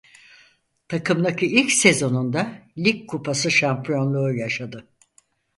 Takımdaki ilk sezonunda Lig Kupası şampiyonluğu yaşadı.